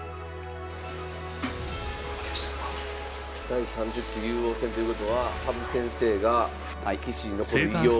第３０期竜王戦ということは羽生先生が棋士に残る偉業を。